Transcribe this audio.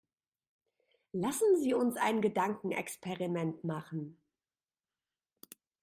Lassen Sie uns ein Gedankenexperiment machen.